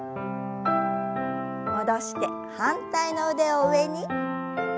戻して反対の腕を上に。